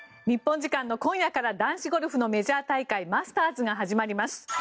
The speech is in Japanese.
日本時間の今夜から男子ゴルフのメジャー大会マスターズが始まります。